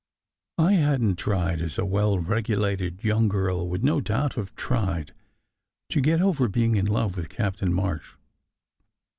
I hadn t tried, as a well regulated young girl would no doubt have tried, to "get over" being in love with Captain March.